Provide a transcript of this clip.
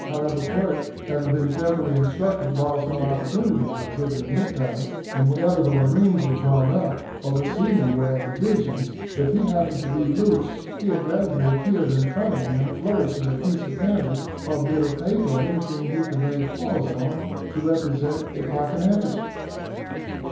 However, Quirk, having been carefully instructed, lost no opportunity of exhibiting his talents; and whenever the marines were drawn up, or the seamen were at divisions, if he happened to be loose, he invariably appeared in front of them flourishing a piece of canvas, or a bit of paper, or anything he could lay paws on to represent a pocket handkerchief.